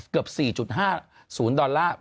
เกือบ๔๕ศูนย์ดอลลาร์